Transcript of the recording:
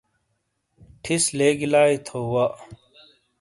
ٹھیس لیگی لائی تھو وا۔